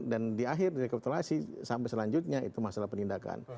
dan di akhir dari kapitulasi sampai selanjutnya itu masalah perlindakan